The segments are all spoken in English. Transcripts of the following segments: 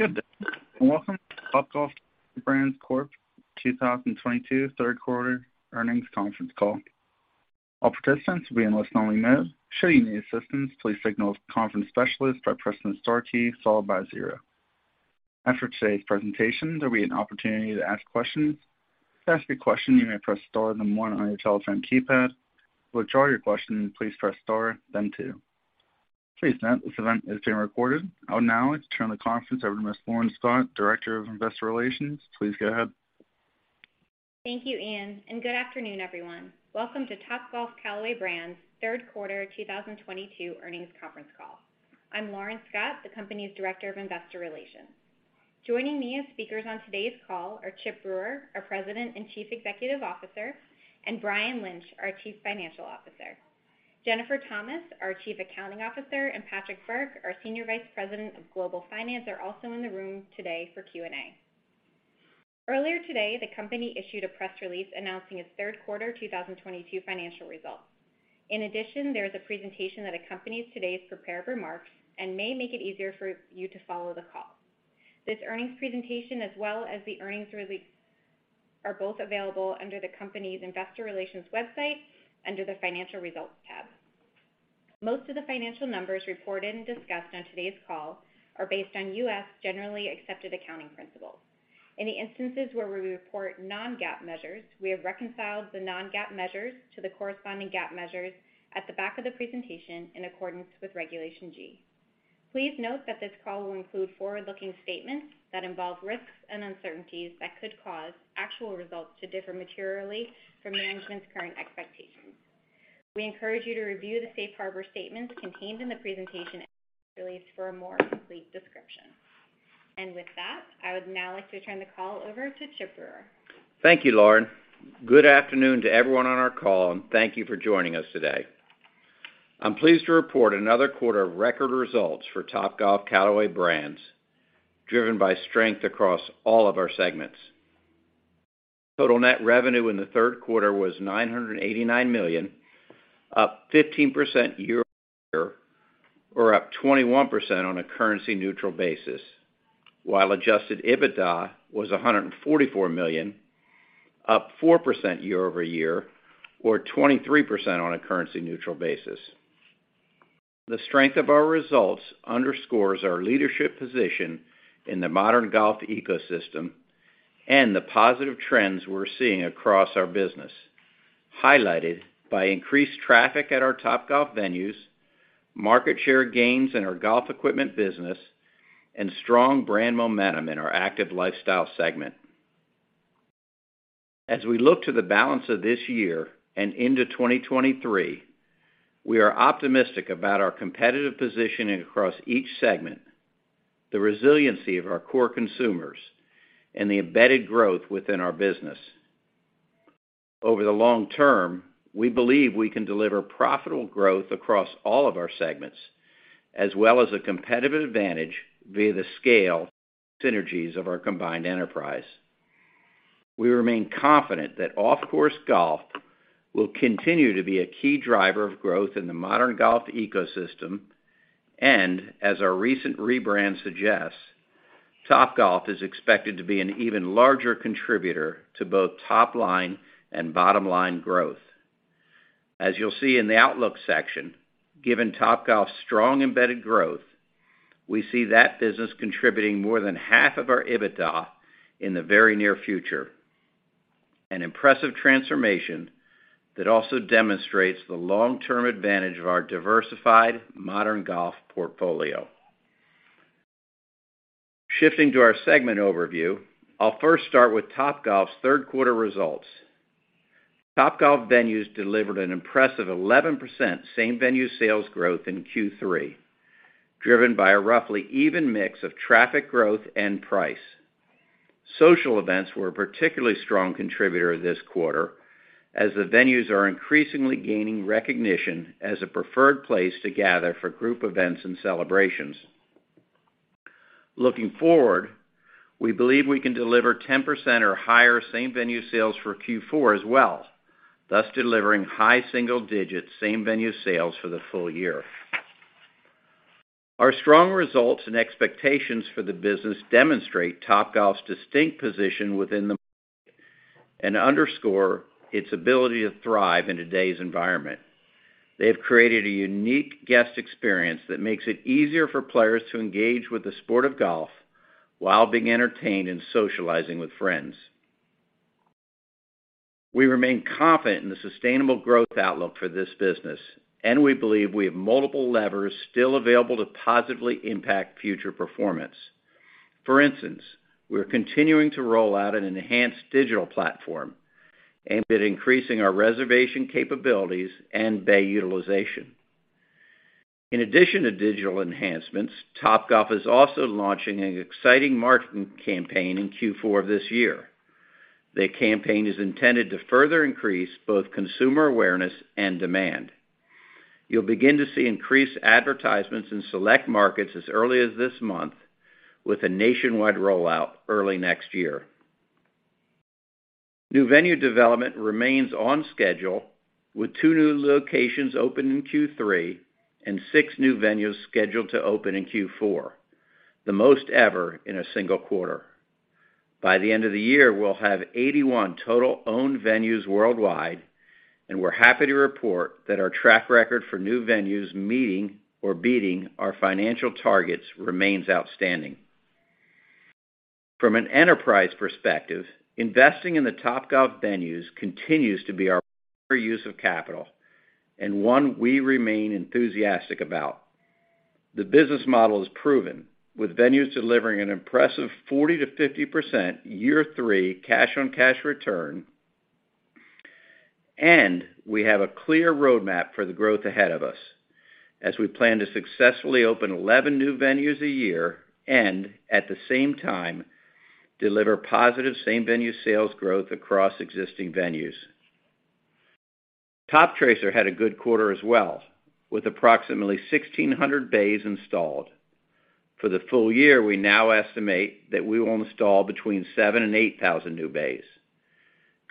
Good day, and welcome to Topgolf Callaway Brands Corp. 2022 Third Quarter Earnings Conference Call. All participants will be in listen-only mode. Should you need assistance, please signal the conference specialist by pressing star key followed by zero. After today's presentation, there will be an opportunity to ask questions. To ask a question, you may press star then one on your telephone keypad. To withdraw your question, please press star then two. Please note this event is being recorded. I would now like to turn the conference over to Ms. Lauren Scott, Director of Investor Relations. Please go ahead. Thank you, Ian, and good afternoon, everyone. Welcome to Topgolf Callaway Brands Third Quarter 2022 Earnings Conference Call. I'm Lauren Scott, the company's Director of Investor Relations. Joining me as speakers on today's call are Chip Brewer, our President and Chief Executive Officer, and Brian Lynch, our Chief Financial Officer. Jennifer Thomas, our Chief Accounting Officer, and Patrick Burke, our Senior Vice President of Global Finance, are also in the room today for Q&A. Earlier today, the company issued a press release announcing its third quarter 2022 financial results. In addition, there is a presentation that accompanies today's prepared remarks and may make it easier for you to follow the call. This earnings presentation, as well as the earnings release, are both available under the company's investor relations website under the Financial Results tab. Most of the financial numbers reported and discussed on today's call are based on U.S. generally accepted accounting principles. Any instances where we report non-GAAP measures, we have reconciled the non-GAAP measures to the corresponding GAAP measures at the back of the presentation in accordance with Regulation G. Please note that this call will include forward-looking statements that involve risks and uncertainties that could cause actual results to differ materially from management's current expectations. We encourage you to review the safe harbor statements contained in the presentation release for a more complete description. With that, I would now like to turn the call over to Chip Brewer. Thank you, Lauren. Good afternoon to everyone on our call, and thank you for joining us today. I'm pleased to report another quarter of record results for Topgolf Callaway Brands, driven by strength across all of our segments. Total net revenue in the third quarter was $989 million, up 15% year-over-year, or up 21% on a currency-neutral basis. While adjusted EBITDA was $144 million, up 4% year-over-year, or 23% on a currency-neutral basis. The strength of our results underscores our leadership position in the modern golf ecosystem and the positive trends we're seeing across our business, highlighted by increased traffic at our Topgolf venues, market share gains in our golf equipment business, and strong brand momentum in our active lifestyle segment. As we look to the balance of this year and into 2023, we are optimistic about our competitive positioning across each segment, the resiliency of our core consumers, and the embedded growth within our business. Over the long term, we believe we can deliver profitable growth across all of our segments, as well as a competitive advantage via the scale synergies of our combined enterprise. We remain confident that off-course golf will continue to be a key driver of growth in the modern golf ecosystem, and as our recent rebrand suggests, Topgolf is expected to be an even larger contributor to both top-line and bottom-line growth. As you'll see in the outlook section, given Topgolf's strong embedded growth, we see that business contributing more than half of our EBITDA in the very near future, an impressive transformation that also demonstrates the long-term advantage of our diversified modern golf portfolio. Shifting to our segment overview, I'll first start with Topgolf's third quarter results. Topgolf venues delivered an impressive 11% same-venue sales growth in Q3, driven by a roughly even mix of traffic growth and price. Social events were a particularly strong contributor this quarter, as the venues are increasingly gaining recognition as a preferred place to gather for group events and celebrations. Looking forward, we believe we can deliver 10% or higher same-venue sales for Q4 as well, thus delivering high single digits% same-venue sales for the full year. Our strong results and expectations for the business demonstrate Topgolf's distinct position within the market and underscore its ability to thrive in today's environment. They have created a unique guest experience that makes it easier for players to engage with the sport of golf while being entertained and socializing with friends. We remain confident in the sustainable growth outlook for this business, and we believe we have multiple levers still available to positively impact future performance. For instance, we're continuing to roll out an enhanced digital platform aimed at increasing our reservation capabilities and bay utilization. In addition to digital enhancements, Topgolf is also launching an exciting marketing campaign in Q4 of this year. The campaign is intended to further increase both consumer awareness and demand. You'll begin to see increased advertisements in select markets as early as this month with a nationwide rollout early next year. New venue development remains on schedule with two new locations opened in Q3 and six new venues scheduled to open in Q4, the most ever in a single quarter. By the end of the year, we'll have 81 total owned venues worldwide, and we're happy to report that our track record for new venues meeting or beating our financial targets remains outstanding. From an enterprise perspective, investing in the Topgolf venues continues to be our use of capital and one we remain enthusiastic about. The business model is proven, with venues delivering an impressive 40%-50% year-three cash-on-cash return. We have a clear roadmap for the growth ahead of us as we plan to successfully open 11 new venues a year and, at the same time, deliver positive same-venue sales growth across existing venues. Toptracer had a good quarter as well, with approximately 1,600 bays installed. For the full year, we now estimate that we will install between 7,000 and 8,000 new bays.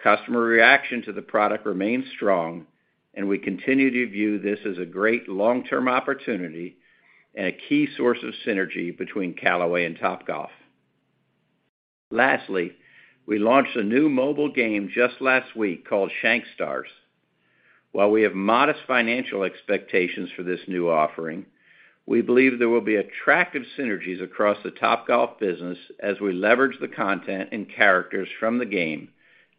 Customer reaction to the product remains strong, and we continue to view this as a great long-term opportunity and a key source of synergy between Callaway and Topgolf. Lastly, we launched a new mobile game just last week called Shankstars. While we have modest financial expectations for this new offering, we believe there will be attractive synergies across the Topgolf business as we leverage the content and characters from the game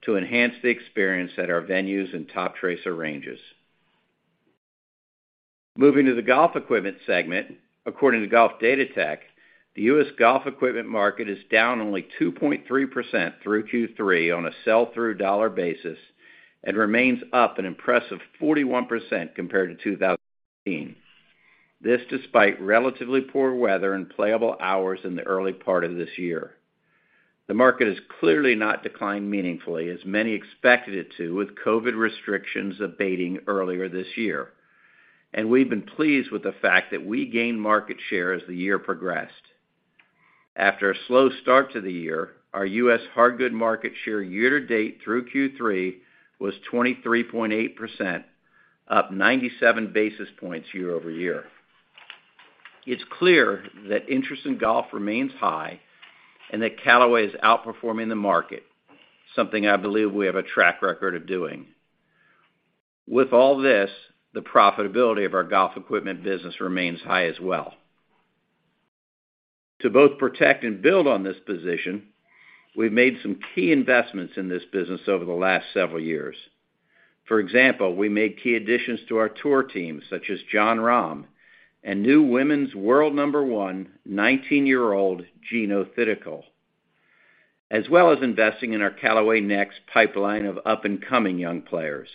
to enhance the experience at our venues and Toptracer Ranges. Moving to the golf equipment segment. According to Golf Datatech, the U.S. golf equipment market is down only 2.3% through Q3 on a sell-through dollar basis and remains up an impressive 41% compared to 2018. This despite relatively poor weather and playable hours in the early part of this year. The market has clearly not declined meaningfully as many expected it to with COVID restrictions abating earlier this year, and we've been pleased with the fact that we gained market share as the year progressed. After a slow start to the year, our U.S. hard goods market share year-to-date through Q3 was 23.8%, up 97 basis points year-over-year. It's clear that interest in golf remains high and that Callaway is outperforming the market, something I believe we have a track record of doing. With all this, the profitability of our golf equipment business remains high as well. To both protect and build on this position, we've made some key investments in this business over the last several years. For example, we made key additions to our tour team, such as Jon Rahm and new women's world number one, 19-year-old [Atthaya] Thitikul, as well as investing in our Callaway Next pipeline of up-and-coming young players.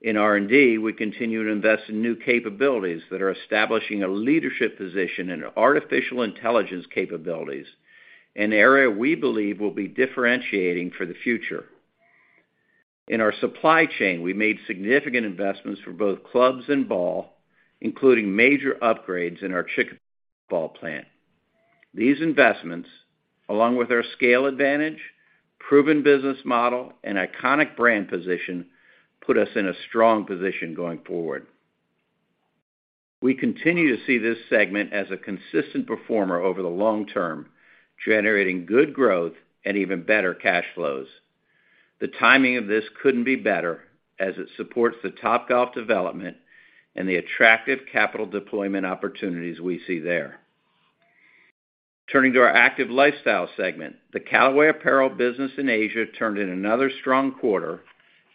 In R&D, we continue to invest in new capabilities that are establishing a leadership position in artificial intelligence capabilities, an area we believe will be differentiating for the future. In our supply chain, we made significant investments for both clubs and ball, including major upgrades in our Chicopee Ball Plant. These investments, along with our scale advantage, proven business model and iconic brand position, put us in a strong position going forward. We continue to see this segment as a consistent performer over the long term, generating good growth and even better cash flows. The timing of this couldn't be better as it supports the Topgolf development and the attractive capital deployment opportunities we see there. Turning to our active lifestyle segment. The Callaway apparel business in Asia turned in another strong quarter,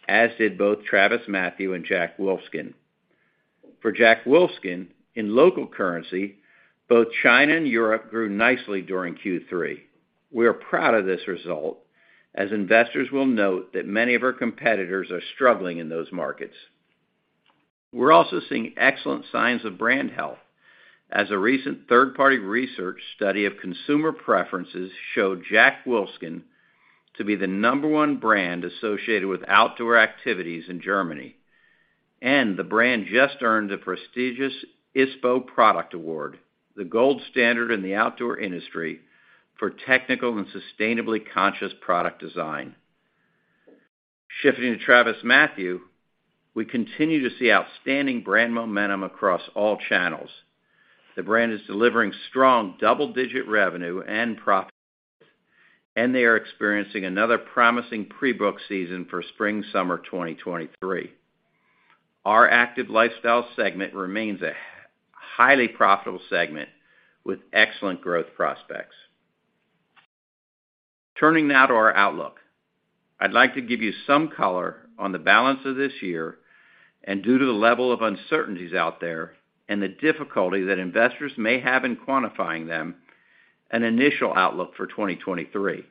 as did both TravisMathew and Jack Wolfskin. For Jack Wolfskin, in local currency, both China and Europe grew nicely during Q3. We are proud of this result, as investors will note that many of our competitors are struggling in those markets. We're also seeing excellent signs of brand health, as a recent third-party research study of consumer preferences showed Jack Wolfskin to be the number one brand associated with outdoor activities in Germany. The brand just earned the prestigious ISPO Product Award, the gold standard in the outdoor industry for technical and sustainably conscious product design. Shifting to TravisMathew, we continue to see outstanding brand momentum across all channels. The brand is delivering strong double-digit revenue and profit, and they are experiencing another promising pre-book season for spring/summer 2023. Our active lifestyle segment remains a highly profitable segment with excellent growth prospects. Turning now to our outlook. I'd like to give you some color on the balance of this year and due to the level of uncertainties out there and the difficulty that investors may have in quantifying them, an initial outlook for 2023.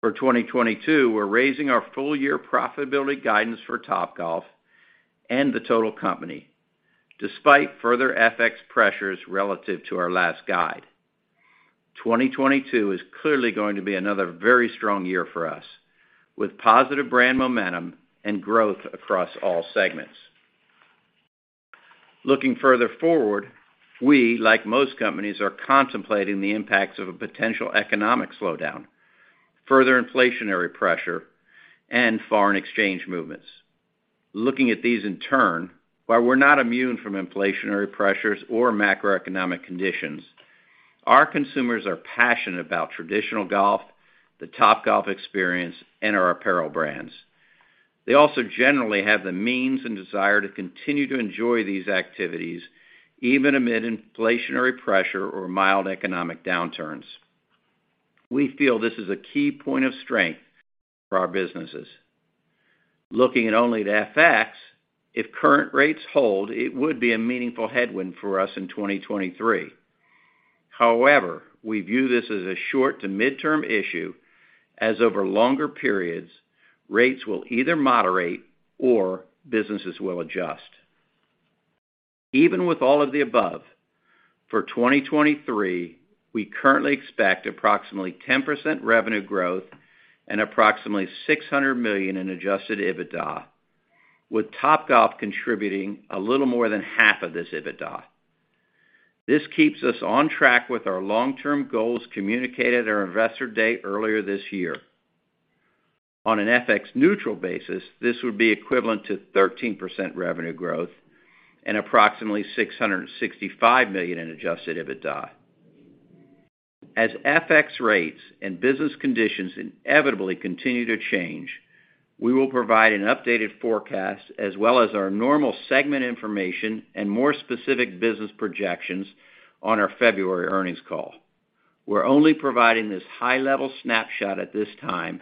For 2022, we're raising our full year profitability guidance for Topgolf and the total company despite further FX pressures relative to our last guide. 2022 is clearly going to be another very strong year for us with positive brand momentum and growth across all segments. Looking further forward, we, like most companies, are contemplating the impacts of a potential economic slowdown, further inflationary pressure, and foreign exchange movements. Looking at these in turn, while we're not immune from inflationary pressures or macroeconomic conditions, our consumers are passionate about traditional golf, the Topgolf experience, and our apparel brands. They also generally have the means and desire to continue to enjoy these activities, even amid inflationary pressure or mild economic downturns. We feel this is a key point of strength for our businesses. Looking at only the FX, if current rates hold, it would be a meaningful headwind for us in 2023. However, we view this as a short to mid-term issue, as over longer periods, rates will either moderate or businesses will adjust. Even with all of the above, for 2023, we currently expect approximately 10% revenue growth and approximately $600 million in adjusted EBITDA, with Topgolf contributing a little more than half of this EBITDA. This keeps us on track with our long-term goals communicated at our Investor Day earlier this year. On an FX-neutral basis, this would be equivalent to 13% revenue growth and approximately $665 million in adjusted EBITDA. As FX rates and business conditions inevitably continue to change, we will provide an updated forecast as well as our normal segment information and more specific business projections on our February earnings call. We're only providing this high-level snapshot at this time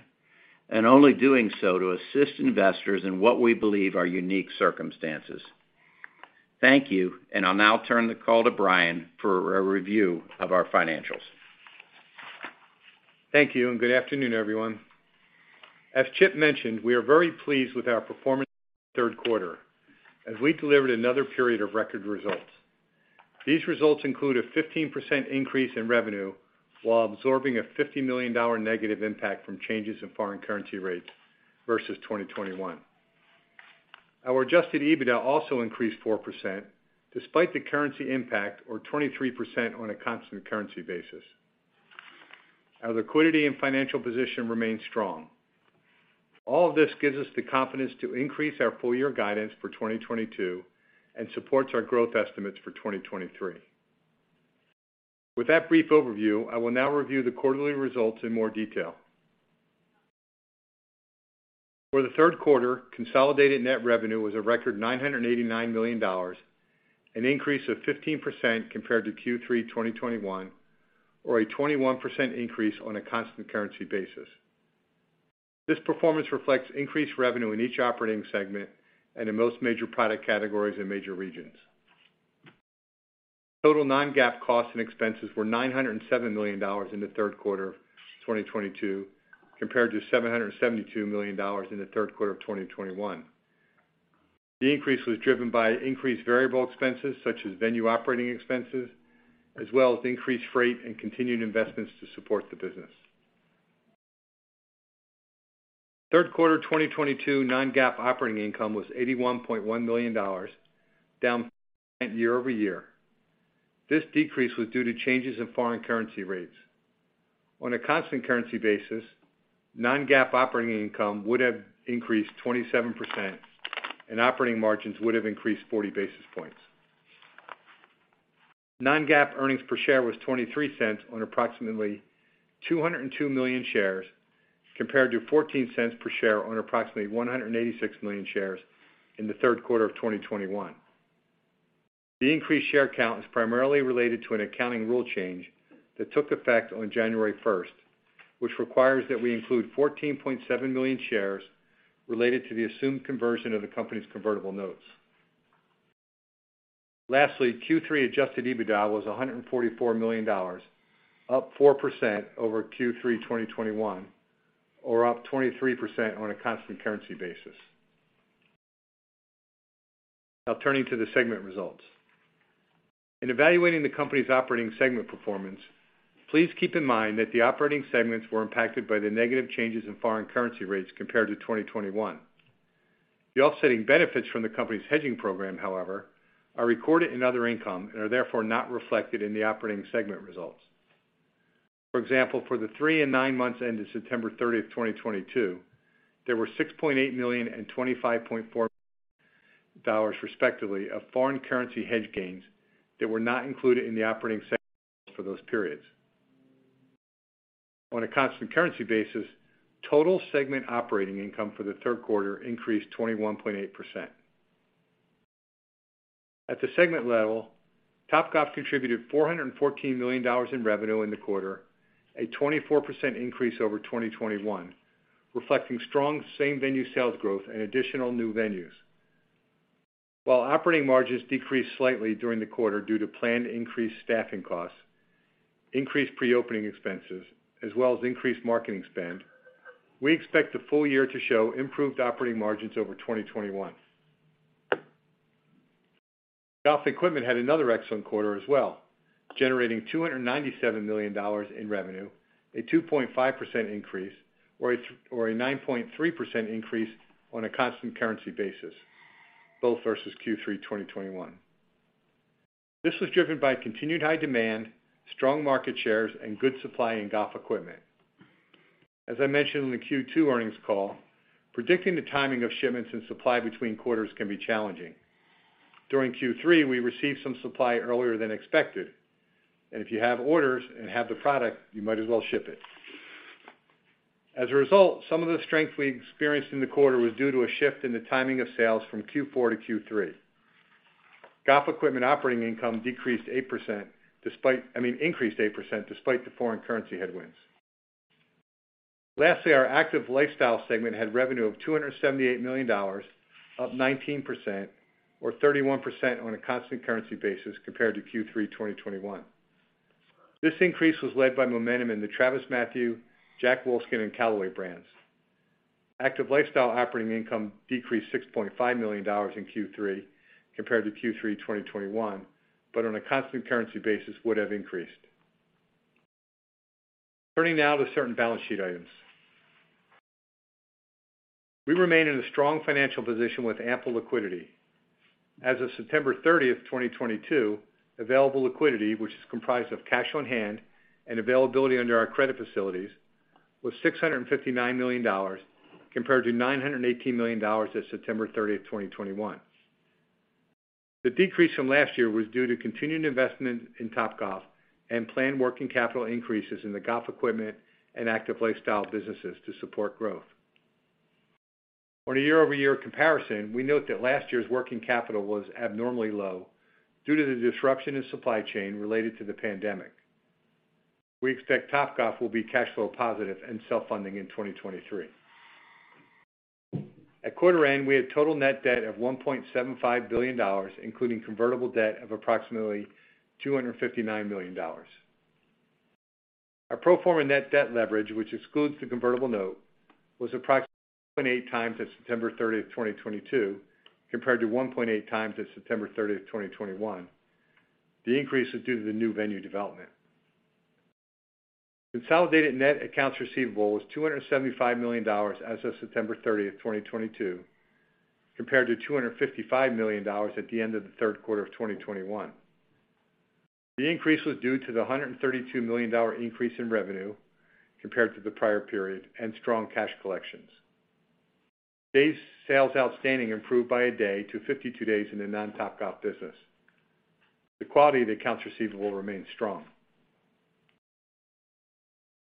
and only doing so to assist investors in what we believe are unique circumstances. Thank you, and I'll now turn the call to Brian for a review of our financials. Thank you, and good afternoon, everyone. As Chip mentioned, we are very pleased with our performance [in the] third quarter, as we delivered another period of record results. These results include a 15% increase in revenue while absorbing a $50 million negative impact from changes in foreign currency rates versus 2021. Our adjusted EBITDA also increased 4% despite the currency impact, or 23% on a constant currency basis. Our liquidity and financial position remains strong. All of this gives us the confidence to increase our full year guidance for 2022 and supports our growth estimates for 2023. With that brief overview, I will now review the quarterly results in more detail. For the third quarter, consolidated net revenue was a record $989 million, an increase of 15% compared to Q3 2021, or a 21% increase on a constant currency basis. This performance reflects increased revenue in each operating segment and in most major product categories and major regions. Total non-GAAP costs and expenses were $907 million in the third quarter of 2022, compared to $772 million in the third quarter of 2021. The increase was driven by increased variable expenses such as venue operating expenses, as well as increased freight and continued investments to support the business. Third quarter 2022 non-GAAP operating income was $81.1 million, down year-over-year. This decrease was due to changes in foreign currency rates. On a constant currency basis, non-GAAP operating income would have increased 27% and operating margins would have increased 40 basis points. Non-GAAP earnings per share was $0.23 on approximately 202 million shares, compared to $0.14 per share on approximately 186 million shares in the third quarter of 2021. The increased share count is primarily related to an accounting rule change that took effect on January first, which requires that we include 14.7 million shares related to the assumed conversion of the company's convertible notes. Lastly, Q3 adjusted EBITDA was $144 million, up 4% over Q3 2021, or up 23% on a constant currency basis. Now turning to the segment results. In evaluating the company's operating segment performance, please keep in mind that the operating segments were impacted by the negative changes in foreign currency rates compared to 2021. The off-setting benefits from the company's hedging program, however, are recorded in other income and are therefore not reflected in the operating segment results. For example, for the three and nine months ended 30 September 2022, there were $6.8 million and $25.4 million, respectively, of foreign currency hedge gains that were not included in the operating segment for those periods. On a constant currency basis, total segment operating income for the third quarter increased 21.8%. At the segment level, Topgolf contributed $414 million in revenue in the quarter, a 24% increase over 2021, reflecting strong same-venue sales growth and additional new venues. While operating margins decreased slightly during the quarter due to planned increased staffing costs, increased pre-opening expenses, as well as increased marketing spend, we expect the full year to show improved operating margins over 2021. Golf equipment had another excellent quarter as well. Generating $297 million in revenue, a 2.5% increase or a 9.3% increase on a constant currency basis, both versus Q3 2021. This was driven by continued high demand, strong market shares, and good supply in golf equipment. As I mentioned in the Q2 earnings call, predicting the timing of shipments and supply between quarters can be challenging. During Q3, we received some supply earlier than expected, and if you have orders and have the product, you might as well ship it. As a result, some of the strength we experienced in the quarter was due to a shift in the timing of sales from Q4 to Q3. Golf equipment operating income, I mean, increased 8% despite the foreign currency headwinds. Lastly, our active lifestyle segment had revenue of $278 million, up 19% or 31% on a constant currency basis compared to Q3 2021. This increase was led by momentum in the TravisMathew, Jack Wolfskin, and Callaway brands. Active lifestyle operating income decreased $6.5 million in Q3 compared to Q3 2021, but on a constant currency basis, would have increased. Turning now to certain balance sheet items. We remain in a strong financial position with ample liquidity. As of 30 September 2022, available liquidity, which is comprised of cash on hand and availability under our credit facilities, was $659 million, compared to $918 million as of 30 September 2021. The decrease from last year was due to continued investment in Topgolf and planned working capital increases in the golf equipment and active lifestyle businesses to support growth. On a year-over-year comparison, we note that last year's working capital was abnormally low due to the disruption in supply chain related to the pandemic. We expect Topgolf will be cash flow positive and self-funding in 2023. At quarter end, we had total net debt of $1.75 billion, including convertible debt of approximately $259 million. Our pro forma net debt leverage, which excludes the convertible note, was approximately 2.8x as of 30 September 2022, compared to 1.8x as of 30 September 2021. The increase is due to the new venue development. Consolidated net accounts receivable was $275 million as of 30 September 2022, compared to $255 million at the end of the third quarter of 2021. The increase was due to the $132 million increase in revenue compared to the prior period and strong cash collections. Days sales outstanding improved by a day to 52 days in the non-Topgolf business. The quality of the accounts receivable remains strong.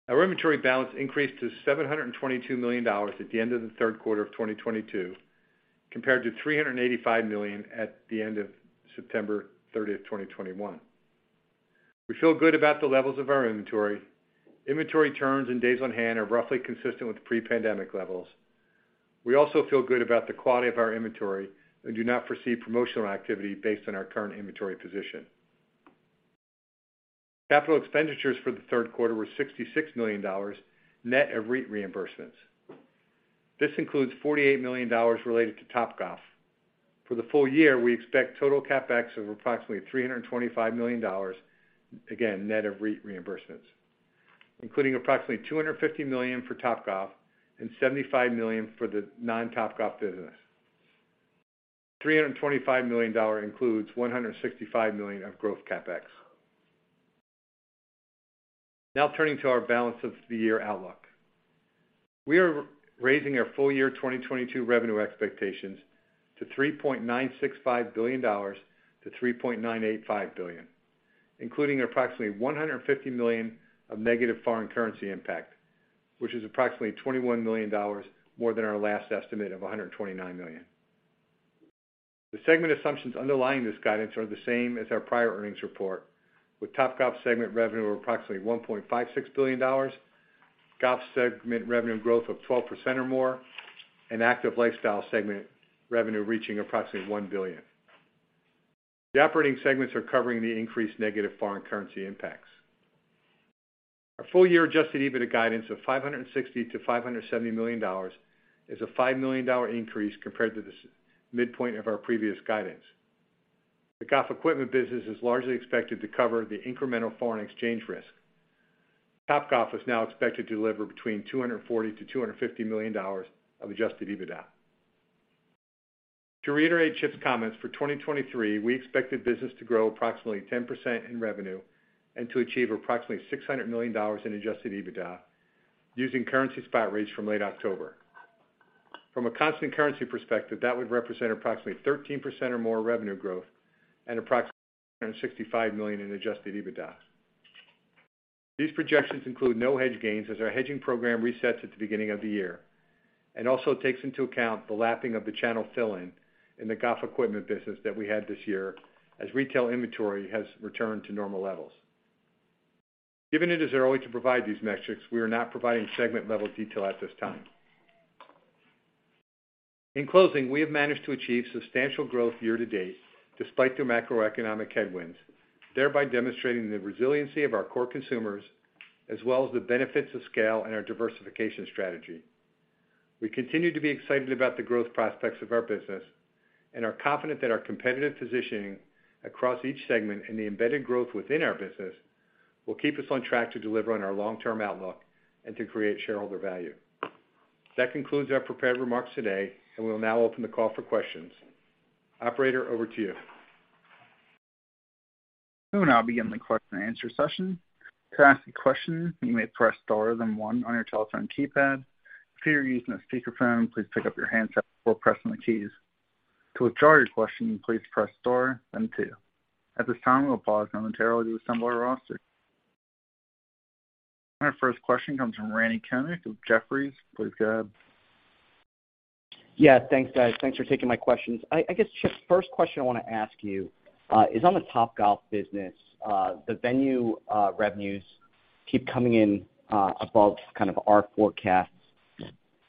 Our inventory balance increased to $722 million at the end of the third quarter of 2022, compared to $385 million at the end of 30 September 2021. We feel good about the levels of our inventory. Inventory turns and days on hand are roughly consistent with pre-pandemic levels. We also feel good about the quality of our inventory and do not foresee promotional activity based on our current inventory position. Capital expenditures for the third quarter were $66 million, net of REIT reimbursements. This includes $48 million related to Topgolf. For the full year, we expect total CapEx of approximately $325 million, again, net of REIT reimbursements, including approximately $250 million for Topgolf and $75 million for the non-Topgolf business. $325 million includes $165 million of growth CapEx. Now turning to our balance of the year outlook. We are raising our full-year 2022 revenue expectations to $3.965 billion-$3.985 billion, including approximately $150 million of negative foreign currency impact, which is approximately $21 million more than our last estimate of $129 million. The segment assumptions underlying this guidance are the same as our prior earnings report, with Topgolf segment revenue of approximately $1.56 billion, golf segment revenue growth of 12% or more, and active lifestyle segment revenue reaching approximately $1 billion. The operating segments are covering the increased negative foreign currency impacts. Our full-year adjusted EBITDA guidance of $560-$570 million is a $5 million increase compared to the midpoint of our previous guidance. The golf equipment business is largely expected to cover the incremental foreign exchange risk. Topgolf is now expected to deliver between $240-$250 million of adjusted EBITDA. To reiterate Chip's comments, for 2023, we expect the business to grow approximately 10% in revenue and to achieve approximately $600 million in adjusted EBITDA using currency spot rates from late October. From a constant currency perspective, that would represent approximately 13% or more revenue growth and approximately $165 million in adjusted EBITDA. These projections include no hedge gains as our hedging program resets at the beginning of the year, and also takes into account the lapping of the channel fill-in in the golf equipment business that we had this year as retail inventory has returned to normal levels. Given it is early to provide these metrics, we are not providing segment-level detail at this time. In closing, we have managed to achieve substantial growth year to date despite the macroeconomic headwinds, thereby demonstrating the resiliency of our core consumers as well as the benefits of scale and our diversification strategy. We continue to be excited about the growth prospects of our business and are confident that our competitive positioning across each segment and the embedded growth within our business will keep us on track to deliver on our long-term outlook and to create shareholder value. That concludes our prepared remarks today, and we'll now open the call for questions. Operator, over to you. We'll now begin the question and answer session. To ask a question, you may press star then one on your telephone keypad. If you are using a speakerphone, please pick up your handset before pressing the keys. To withdraw your question, please press star then two. At this time, we'll pause momentarily to assemble our roster. Our first question comes from Randal Konik of Jefferies. Please go ahead. Yeah, thanks, guys. Thanks for taking my questions. I guess, Chip, first question I wanna ask you is on the Topgolf business. The venue revenues keep coming in above kind of our forecasts.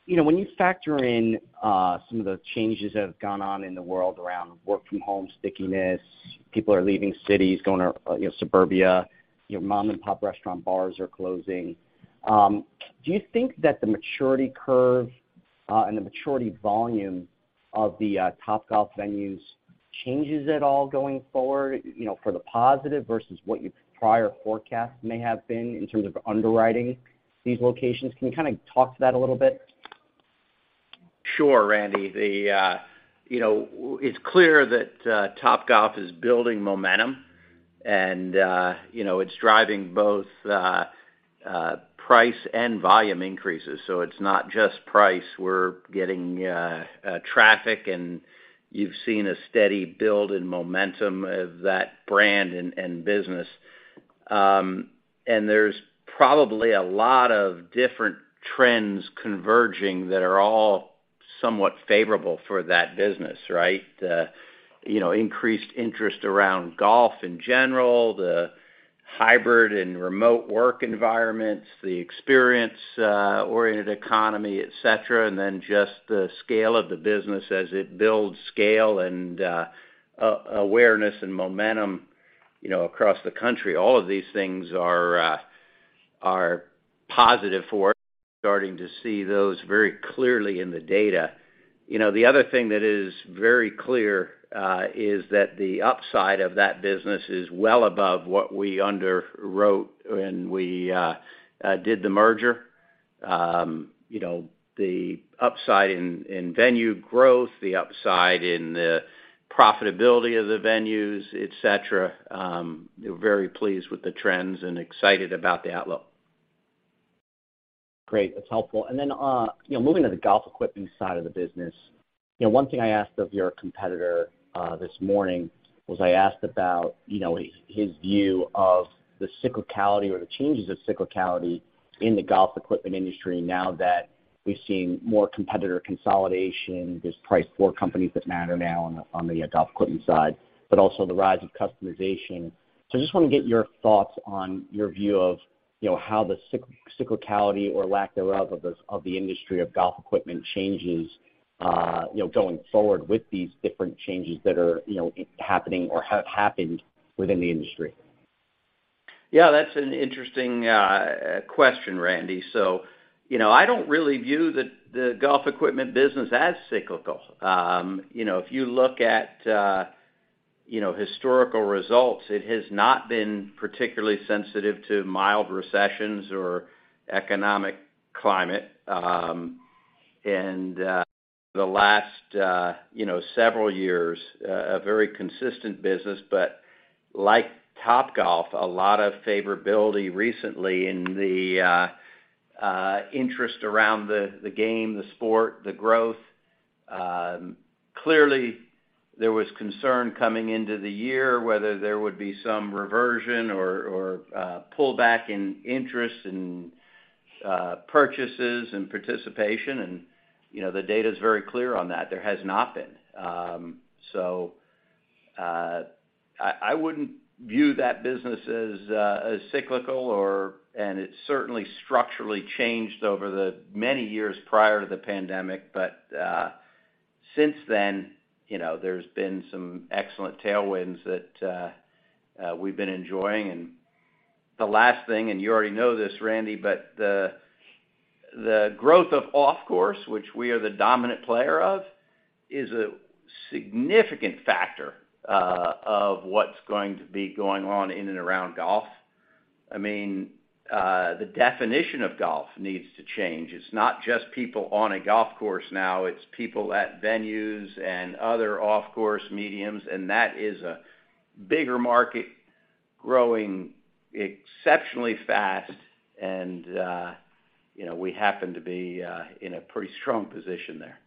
You know, when you factor in some of the changes that have gone on in the world around work from home stickiness, people are leaving cities, going to you know, suburbia, you know, mom-and-pop restaurant bars are closing, do you think that the maturity curve and the maturity volume of the Topgolf venues changes at all going forward, you know, for the positive versus what your prior forecast may have been in terms of underwriting these locations? Can you kinda talk to that a little bit? Sure, Randy. It's clear that Topgolf is building momentum, and you know, it's driving both price and volume increases. It's not just price. We're getting traffic, and you've seen a steady build in momentum of that brand and business. There's probably a lot of different trends converging that are all somewhat favorable for that business, right? The increased interest around golf in general, the hybrid and remote work environments, the experience oriented economy, et cetera, and then just the scale of the business as it builds scale and awareness and momentum, you know, across the country. All of these things are positive for us. Starting to see those very clearly in the data. You know, the other thing that is very clear is that the upside of that business is well above what we underwrote when we did the merger. You know, the upside in venue growth, the upside in the profitability of the venues, et cetera, we're very pleased with the trends and excited about the outlook. Great. That's helpful. Then, you know, moving to the golf equipment side of the business, you know, one thing I asked of your competitor this morning was about his view of the cyclicality or the changes of cyclicality in the golf equipment industry now that we've seen more competitor consolidation. There's probably four companies that matter now on the golf equipment side, but also the rise of customization. I just wanna get your thoughts on your view of, you know, how the cyclicality or lack thereof of the golf equipment industry changes, you know, going forward with these different changes that are, you know, happening or have happened within the industry. Yeah, that's an interesting question, Randy. You know, I don't really view the golf equipment business as cyclical. You know, if you look at historical results, it has not been particularly sensitive to mild recessions or economic climate. The last several years, a very consistent business, but like Topgolf, a lot of favorability recently in the interest around the game, the sport, the growth. Clearly there was concern coming into the year whether there would be some reversion or pullback in interest in purchases and participation and, you know, the data is very clear on that. There has not been. I wouldn't view that business as cyclical, and it's certainly structurally changed over the many years prior to the pandemic. Since then, you know, there's been some excellent tailwinds that we've been enjoying. The last thing, and you already know this, Randy, but the growth of off course, which we are the dominant player of, is a significant factor of what's going to be going on in and around golf. I mean, the definition of golf needs to change. It's not just people on a golf course now, it's people at venues and other off course mediums, and that is a bigger market growing exceptionally fast and, you know, we happen to be in a pretty strong position there.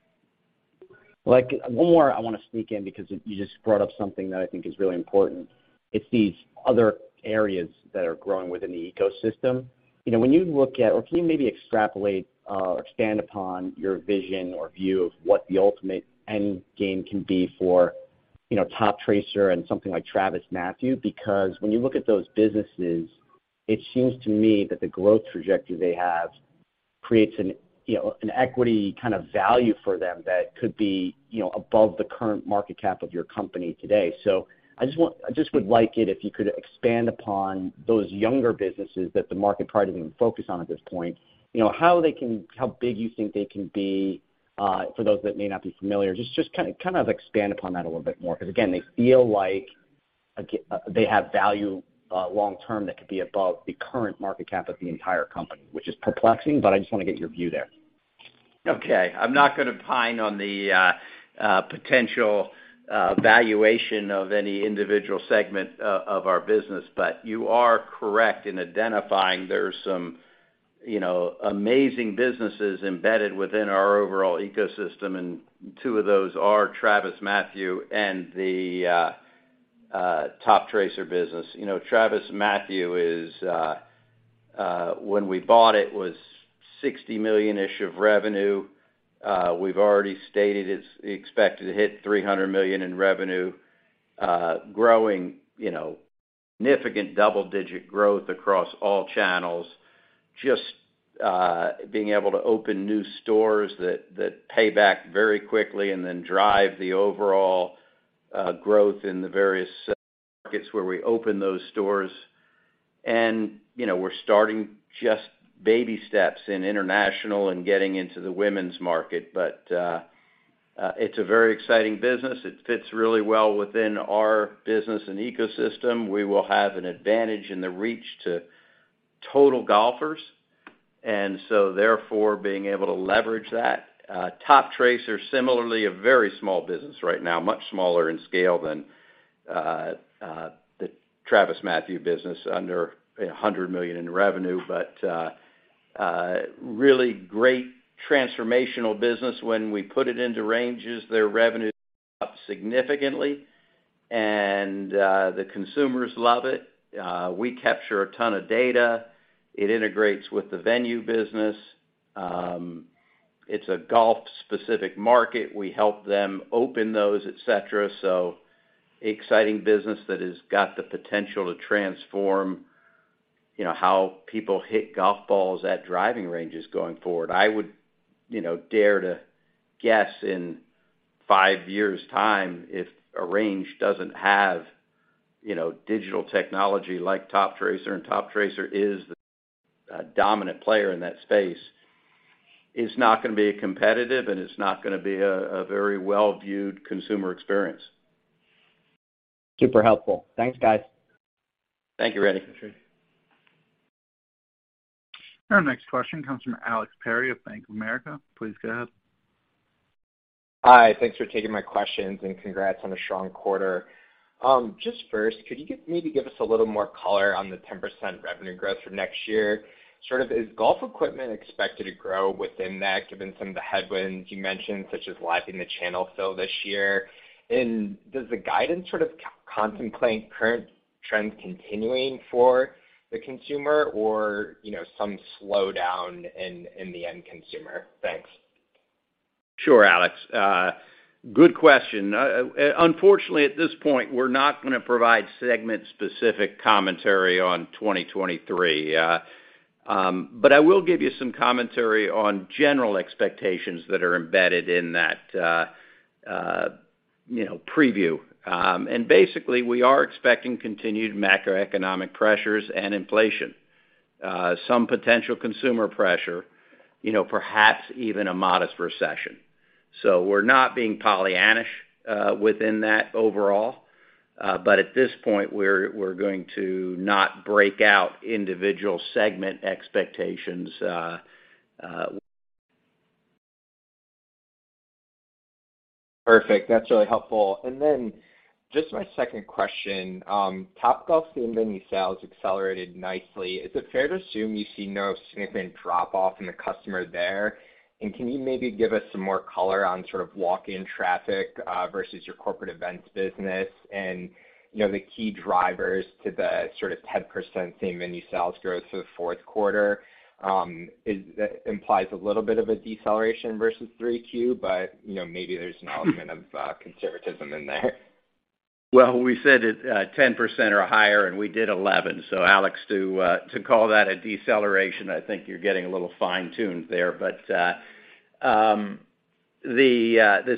Like, one more I wanna sneak in because you just brought up something that I think is really important. It's these other areas that are growing within the ecosystem. You know, when you look at or can you maybe extrapolate, or expand upon your vision or view of what the ultimate end game can be for, you know, Toptracer and something like TravisMathew. Because when you look at those businesses, it seems to me that the growth trajectory they have creates an, you know, an equity kind of value for them that could be, you know, above the current market cap of your company today. I just would like it if you could expand upon those younger businesses that the market probably doesn't even focus on at this point, you know, how they can. How big you think they can be for those that may not be familiar. Just kind of expand upon that a little bit more because again, they feel like they have value long term that could be above the current market cap of the entire company, which is perplexing, but I just wanna get your view there. Okay, I'm not gonna opine on the potential valuation of any individual segment of our business, but you are correct in identifying there are some, you know, amazing businesses embedded within our overall ecosystem, and two of those are TravisMathew and the Toptracer business. You know, TravisMathew is when we bought it was $60 million-ish of revenue. We've already stated it's expected to hit $300 million in revenue, growing, you know, significant double-digit growth across all channels, just being able to open new stores that pay back very quickly and then drive the overall growth in the various markets where we open those stores. You know, we're starting just baby steps in international and getting into the women's market. But it's a very exciting business. It fits really well within our business and ecosystem. We will have an advantage in the reach to total golfers, and so therefore being able to leverage that. Toptracer similarly, a very small business right now, much smaller in scale than the TravisMathew business, under $100 million in revenue, but really great transformational business. When we put it into ranges, their revenue up significantly, and the consumers love it. We capture a ton of data. It integrates with the venue business. It's a golf specific market. We help them open those, et cetera. Exciting business that has got the potential to transform, you know, how people hit golf balls at driving ranges going forward. I would, you know, dare to guess in five years' time if a range doesn't have, you know, digital technology like Toptracer, and Toptracer is the dominant player in that space, it's not gonna be competitive, and it's not gonna be a very well-viewed consumer experience. Super helpful. Thanks, guys. Thank you, Randy. Our next question comes from Alex Perry of Bank of America. Please go ahead. Hi. Thanks for taking my questions, and congrats on a strong quarter. Just first, could you maybe give us a little more color on the 10% revenue growth for next year? Sort of is golf equipment expected to grow within that, given some of the headwinds you mentioned, such as lapping the channel fill this year? And does the guidance sort of contemplate current trends continuing for the consumer or, you know, some slowdown in the end consumer? Thanks. Sure, Alex. Good question. Unfortunately at this point, we're not gonna provide segment-specific commentary on 2023. I will give you some commentary on general expectations that are embedded in that, you know, preview. Basically, we are expecting continued macroeconomic pressures and inflation, some potential consumer pressure, you know, perhaps even a modest recession. We're not being Pollyannish within that overall. At this point we're going to not break out individual segment expectations. [inaudible] Perfect. That's really helpful. Then just my second question. Topgolf same venue sales accelerated nicely. Is it fair to assume you see no significant drop off in the customer there? And can you maybe give us some more color on sort of walk-in traffic versus your corporate events business and, you know, the key drivers to the sort of 10% same venue sales growth for the fourth quarter, that implies a little bit of a deceleration versus 3Q, but, you know, maybe there's an element of conservatism in there? Well, we said it, 10% or higher, and we did 11%. Alex, to call that a deceleration, I think you're getting a little fine-tuned there. The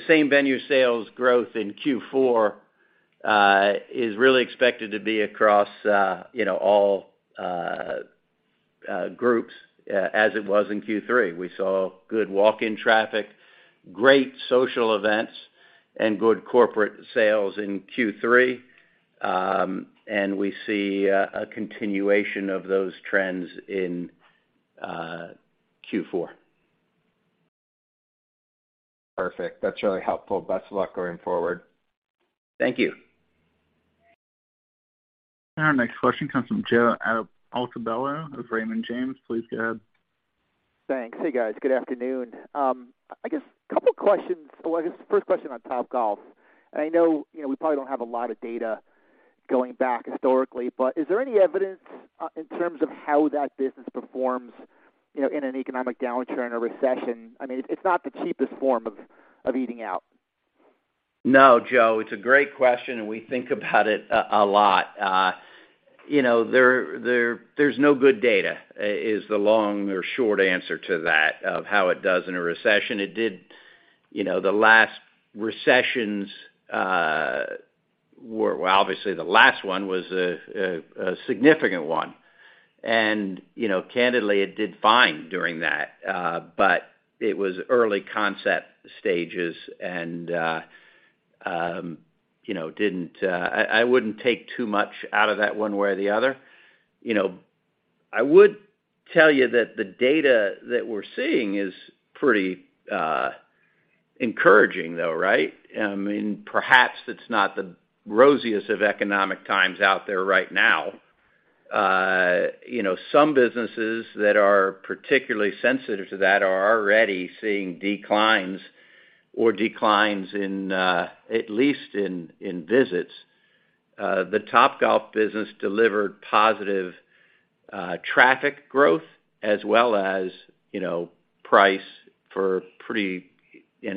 same venue sales growth in Q4 is really expected to be across, you know, all groups, as it was in Q3. We saw good walk-in traffic, great social events, and good corporate sales in Q3. We see a continuation of those trends in Q4. Perfect. That's really helpful. Best of luck going forward. Thank you. Our next question comes from Joe Altobello of Raymond James. Please go ahead. Thanks. Hey, guys. Good afternoon. I guess a couple questions. Well, I guess first question on Topgolf, and I know, you know, we probably don't have a lot of data going back historically, but is there any evidence in terms of how that business performs, you know, in an economic downturn or recession? I mean, it's not the cheapest form of eating out. No, Joe, it's a great question, and we think about it a lot. You know, there's no good data is the long or short answer to that of how it does in a recession. It did, you know, the last recessions, well, obviously the last one was a significant one. You know, candidly, it did fine during that, but it was early concept stages and, you know, didn't. I wouldn't take too much out of that one way or the other. You know, I would tell you that the data that we're seeing is pretty encouraging, though, right? I mean, perhaps it's not the rosiest of economic times out there right now. You know, some businesses that are particularly sensitive to that are already seeing declines in at least visits. The Topgolf business delivered positive traffic growth as well as, you know, price and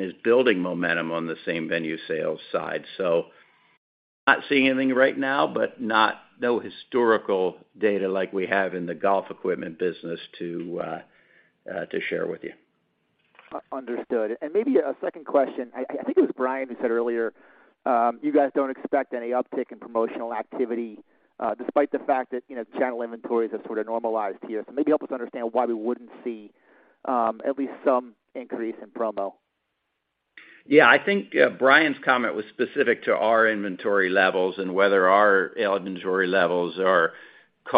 is building momentum on the same-venue sales side. Not seeing anything right now, but no historical data like we have in the golf equipment business to share with you. Understood. Maybe a second question. I think it was Brian who said earlier, you guys don't expect any uptick in promotional activity, despite the fact that, you know, channel inventories have sort of normalized here. Maybe help us understand why we wouldn't see at least some increase in promo. Yeah, I think Brian's comment was specific to our inventory levels and whether our inventory levels would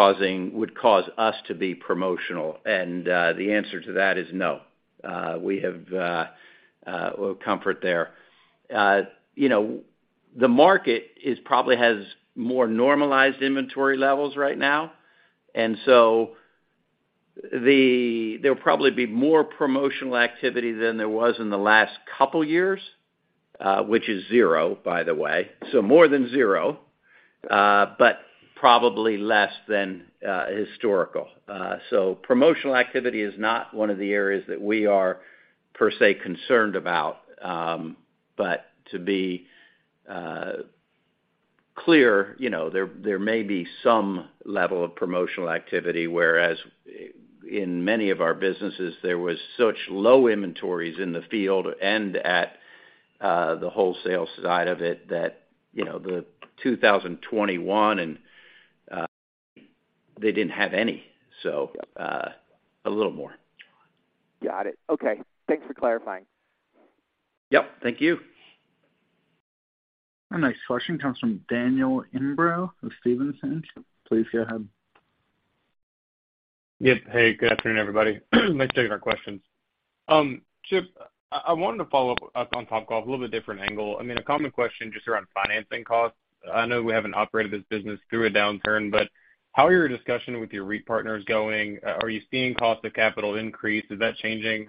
cause us to be promotional. The answer to that is no. We have little comfort there. You know, the market probably has more normalized inventory levels right now. There'll probably be more promotional activity than there was in the last couple years, which is zero, by the way, so more than zero, but probably less than historical. Promotional activity is not one of the areas that we are, per se, concerned about. To be clear, you know, there may be some level of promotional activity, whereas in many of our businesses, there was such low inventories in the field and at the wholesale side of it that, you know, 2021 and they didn't have any. A little more. Got it. Okay. Thanks for clarifying. Yep. Thank you. Our next question comes from Daniel Imbro of Stephens. Please go ahead. Yep. Hey, good afternoon, everybody. Thanks for taking our questions. Chip, I wanted to follow up on Topgolf, a little bit different angle. I mean, a common question just around financing costs. I know we haven't operated this business through a downturn, but how are your discussion with your REIT partners going? Are you seeing cost of capital increase? Is that changing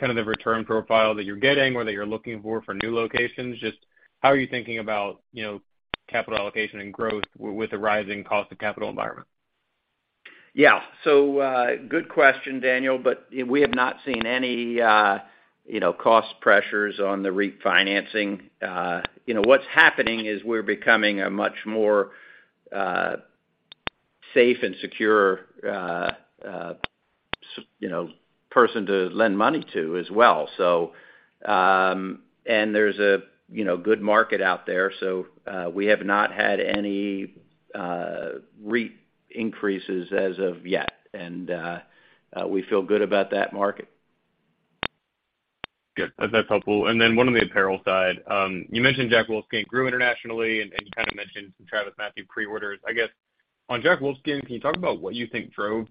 kind of the return profile that you're getting or that you're looking for new locations? Just how are you thinking about, you know, capital allocation and growth with the rising cost of capital environment? Yeah. Good question, Daniel, but, you know, we have not seen any, you know, cost pressures on the REIT financing. You know, what's happening is we're becoming a much more safe and secure, you know, person to lend money to as well. There's a good market out there. We have not had any REIT increases as of yet, and we feel good about that market. Good. That's helpful. Then one on the apparel side. You mentioned Jack Wolfskin grew internationally, and you kind of mentioned some TravisMathew pre-orders. I guess on Jack Wolfskin, can you talk about what you think drove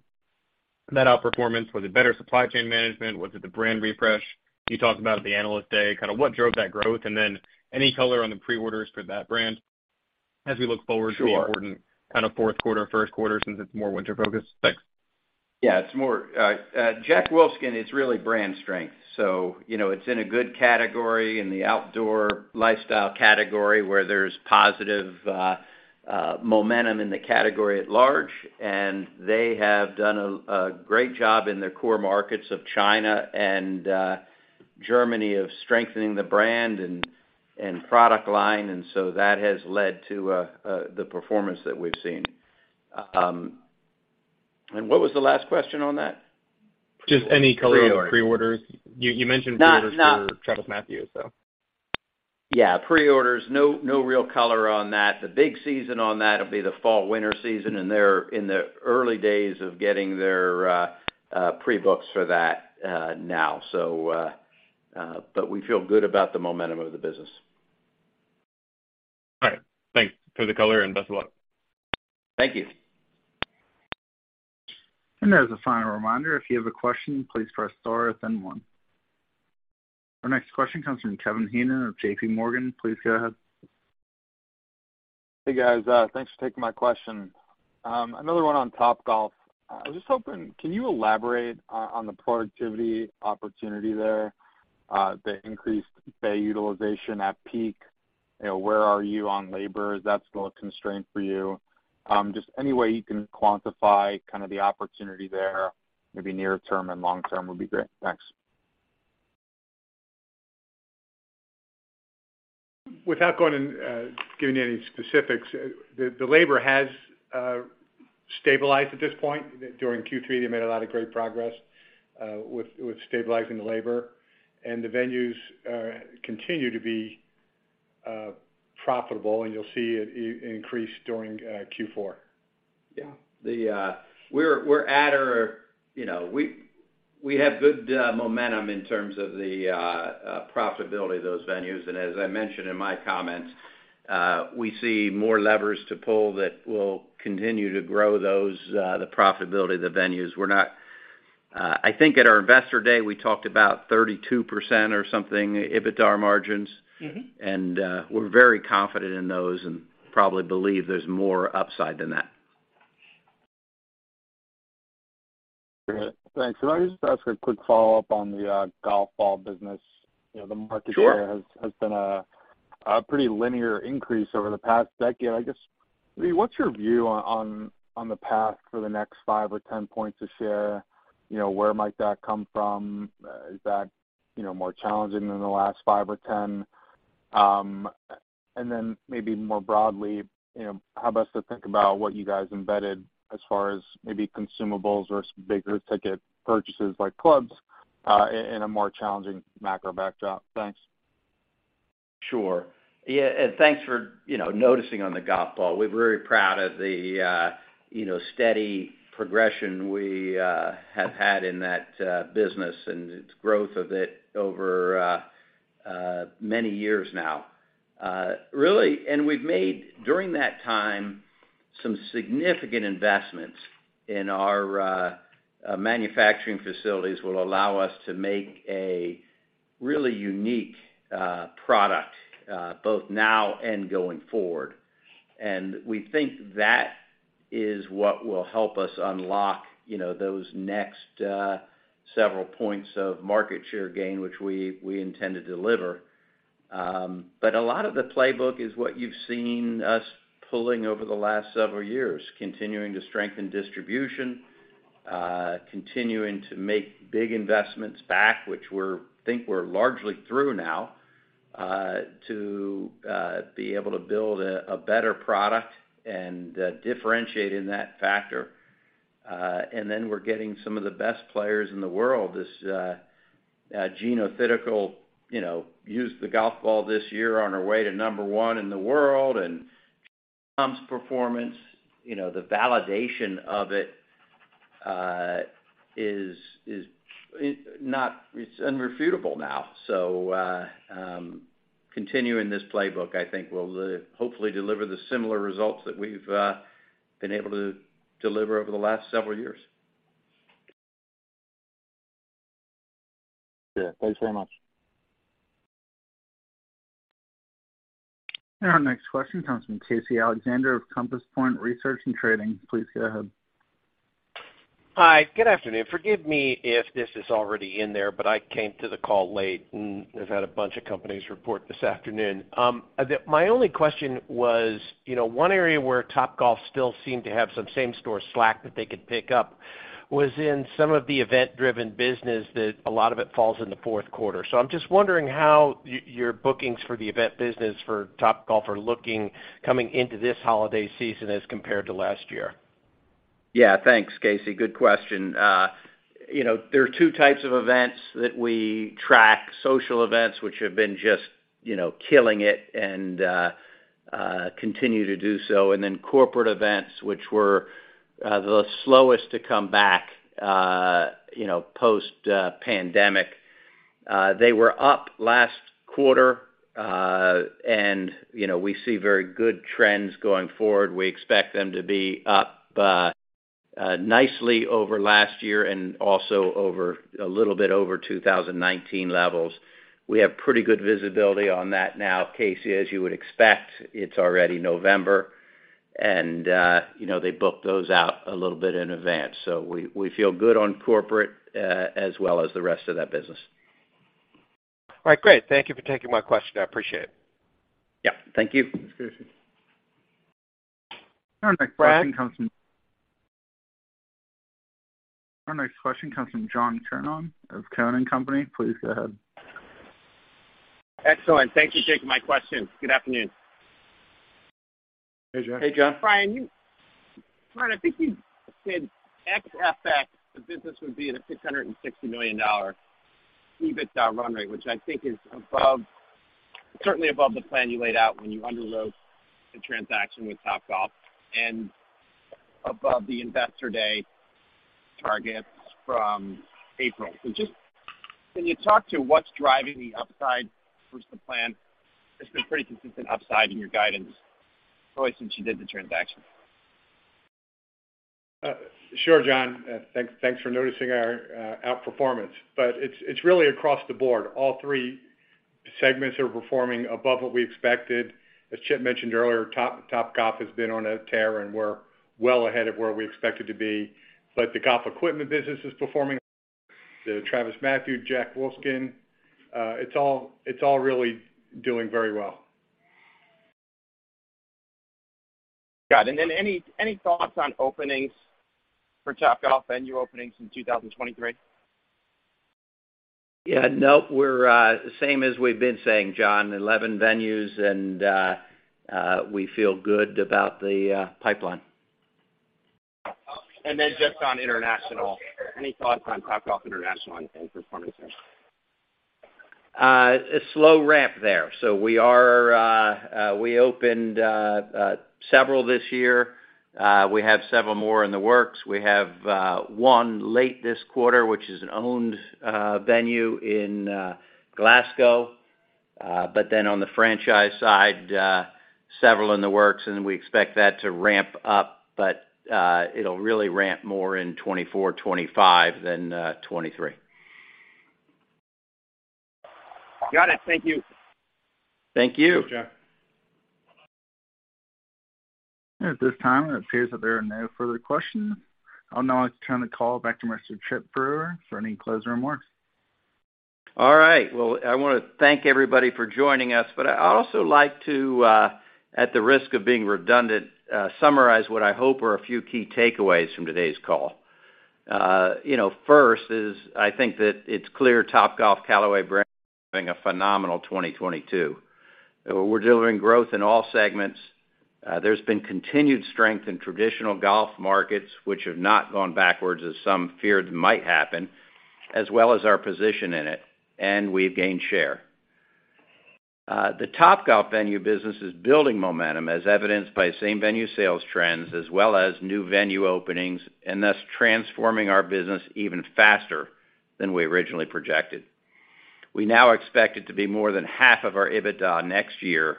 that outperformance? Was it better supply chain management? Was it the brand refresh you talked about at the Analyst Day? Kind of what drove that growth? Then any color on the pre-orders for that brand as we look forward. Sure. To the important kind of fourth quarter, first quarter since it's more winter focused? Thanks. Yeah, it's more, Jack Wolfskin is really brand strength. You know, it's in a good category in the outdoor lifestyle category where there's positive momentum in the category at large. They have done a great job in their core markets of China and Germany of strengthening the brand and product line. That has led to the performance that we've seen. What was the last question on that? Just any color. Pre-orders on the pre-orders. You mentioned pre-orders. Not, not- for TravisMathew, so. Yeah, pre-orders, no real color on that. The big season on that'll be the Fall/Winter season, and they're in the early days of getting their pre-books for that now. But we feel good about the momentum of the business. All right. Thanks for the color, and best of luck. Thank you. As a final reminder, if you have a question, please press star then one. Our next question comes from Kevin Heenan of JPMorgan. Please go ahead. Hey, guys, thanks for taking my question. Another one on Topgolf. I was just hoping, can you elaborate on the productivity opportunity there, the increased bay utilization at peak? You know, where are you on labor? Is that still a constraint for you? Just any way you can quantify kind of the opportunity there, maybe near term and long term would be great. Thanks. Without going and giving you any specifics, the labor has stabilized at this point. During Q3, they made a lot of great progress with stabilizing the labor. The venues continue to be profitable, and you'll see it increase during Q4. Yeah. We're at or, you know, we have good momentum in terms of the profitability of those venues. As I mentioned in my comments, we see more levers to pull that will continue to grow the profitability of the venues. I think at our Investor Day, we talked about 32% or something EBITDA margins. Mm-hmm. We're very confident in those and probably believe there's more upside than that. Great. Thanks. Can I just ask a quick follow-up on the golf ball business? You know, the market- Sure. Share has been a pretty linear increase over the past decade. I guess, I mean, what's your view on the path for the next 5 or 10 points of share? You know, where might that come from? Is that, you know, more challenging than the last 5 or 10? Maybe more broadly, you know, how best to think about what you guys embedded as far as maybe consumables or some bigger ticket purchases like clubs, in a more challenging macro backdrop? Thanks. Sure. Yeah, thanks for, you know, noticing on the golf ball. We're very proud of the, you know, steady progression we have had in that business and its growth of it over many years now. Really, we've made, during that time, some significant investments in our manufacturing facilities will allow us to make a really unique product both now and going forward. We think that is what will help us unlock, you know, those next several points of market share gain, which we intend to deliver. A lot of the playbook is what you've seen us pulling over the last several years, continuing to strengthen distribution, continuing to make big investments back, which we think we're largely through now, to be able to build a better product and differentiate in that factor. We're getting some of the best players in the world. This [Atthaya] Thitikul, you know, used the golf ball this year on her way to number one in the world, and top performance, you know, the validation of it is irrefutable now. Continuing this playbook, I think will hopefully deliver the similar results that we've been able to deliver over the last several years. Yeah. Thanks very much. Our next question comes from Casey Alexander of Compass Point Research & Trading. Please go ahead. Hi, good afternoon. Forgive me if this is already in there, but I came to the call late, and I've had a bunch of companies report this afternoon. My only question was, you know, one area where Topgolf still seemed to have some same store slack that they could pick up was in some of the event-driven business that a lot of it falls in the fourth quarter. So I'm just wondering how your bookings for the event business for Topgolf are looking coming into this holiday season as compared to last year. Yeah. Thanks, Casey. Good question. You know, there are two types of events that we track: social events, which have been just, you know, killing it and continue to do so, and then corporate events, which were the slowest to come back, you know, post-pandemic. They were up last quarter, and you know, we see very good trends going forward. We expect them to be up nicely over last year and also a little bit over 2019 levels. We have pretty good visibility on that now, Casey, as you would expect. It's already November and you know, they book those out a little bit in advance. So we feel good on corporate, as well as the rest of that business. All right, great. Thank you for taking my question. I appreciate it. Yeah. Thank you. Thanks, Casey. Our next question comes from. Brian? Our next question comes from John Kernan of Cowen and Company. Please go ahead. Excellent. Thank you for taking my question. Good afternoon. Hey, John. Hey, John. Brian, I think you said ex FX, the business would be at a $660 million EBITDA run rate, which I think is above, certainly above the plan you laid out when you underwrote the transaction with Topgolf and above the Investor Day targets from April. Just can you talk to what's driving the upside versus the plan? It's been pretty consistent upside in your guidance really since you did the transaction. Sure, John. Thanks for noticing our outperformance. It's really across the board. All three segments are performing above what we expected. As Chip mentioned earlier, Topgolf has been on a tear, and we're well ahead of where we expected to be. The golf equipment business is performing. [inaudible] The TravisMathew, Jack Wolfskin, it's all really doing very well. Got it. Any thoughts on openings for Topgolf venue openings in 2023? Yeah. No, we're same as we've been saying, John, 11 venues and we feel good about the pipeline. Just on international, any thoughts on Topgolf International and performance there? A slow ramp there. We opened several this year. We have several more in the works. We have one late this quarter, which is an owned venue in Glasgow. On the franchise side, several in the works, and we expect that to ramp up, but it'll really ramp more in 2024, 2025 than 2023. Got it. Thank you. Thank you. Thanks, John. At this time, it appears that there are no further questions. I'll now turn the call back to Mr. Chip Brewer for any closing remarks. All right. Well, I wanna thank everybody for joining us, but I'd also like to, at the risk of being redundant, summarize what I hope are a few key takeaways from today's call. You know, first is, I think that it's clear Topgolf Callaway Brands is having a phenomenal 2022. We're delivering growth in all segments. There's been continued strength in traditional golf markets, which have not gone backwards as some feared might happen, as well as our position in it, and we've gained share. The Topgolf venue business is building momentum as evidenced by same-venue sales trends, as well as new venue openings, and thus transforming our business even faster than we originally projected. We now expect it to be more than half of our EBITDA next year,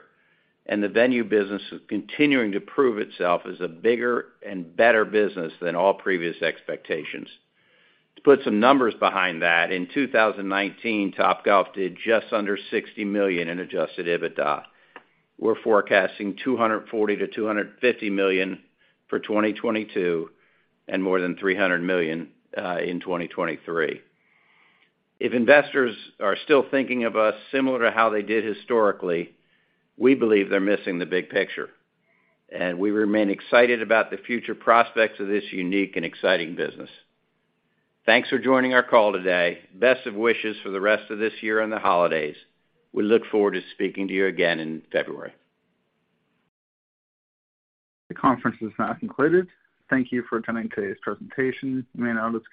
and the venue business is continuing to prove itself as a bigger and better business than all previous expectations. To put some numbers behind that, in 2019, Topgolf did just under $60 million in adjusted EBITDA. We're forecasting $240 million-$250 million for 2022, and more than $300 million in 2023. If investors are still thinking of us similar to how they did historically, we believe they're missing the big picture, and we remain excited about the future prospects of this unique and exciting business. Thanks for joining our call today. Best of wishes for the rest of this year and the holidays. We look forward to speaking to you again in February. The conference is now concluded. Thank you for attending today's presentation. You may now disconnect.